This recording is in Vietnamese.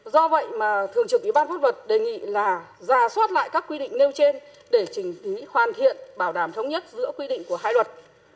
do vậy mà thường trưởng y bán pháp luật đề nghị là ra soát lại các quy định nêu trên để chỉnh ý hoàn thiện bảo đảm thống nhất giữa quy định của hai luật